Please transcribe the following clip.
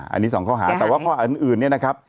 อันนี้สองข้อหาแต่ว่าข้อหาอื่นเนี่ยนะครับ